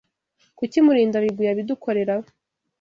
Kuki Murindabigwi yabidukorera?